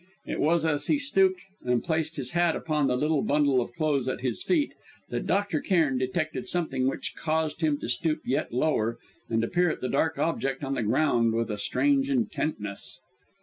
It was as he stooped and placed his hat upon the little bundle of clothes at his feet that Dr. Cairn detected something which caused him to stoop yet lower and to peer at that dark object on the ground with a strange intentness.